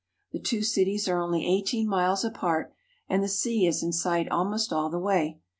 The two cities are only eighteen miles apart, and the sea is in sight almost all the way.